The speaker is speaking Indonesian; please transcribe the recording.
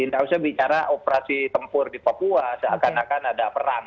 tidak usah bicara operasi tempur di papua seakan akan ada perang